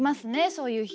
そういう日。